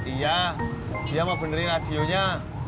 iya dia mau benerin radionya